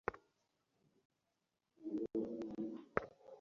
এতে তাঁর হাত-পায়ের আঙুল অনেকটা শিকড়ের মতো জটের আকার ধারণ করে।